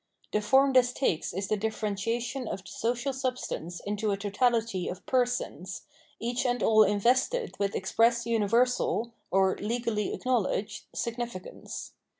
The forna this takes is the differentiation of the social substance into a totality of " persons," each and all invested with express universal, or legally acknowledged, signifi cance.